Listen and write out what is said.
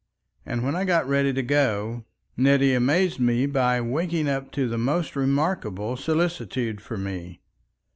And when I got ready to go, Nettie amazed me by waking up to the most remarkable solicitude for me.